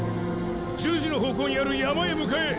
１０時の方向にある山へ向かえ！